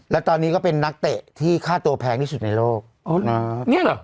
แล้วตอนนี้ก็เป็นนักเตะที่ค่าตัวแพงที่สุดในโลกนะเนี่ยเหรอ